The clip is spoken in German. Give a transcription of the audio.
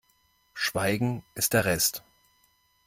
Schweigen ist der Rest.